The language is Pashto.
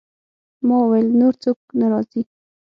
ما وویل: نور څوک نه راځي؟